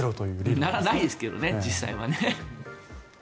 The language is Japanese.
ないですけどね実際はね。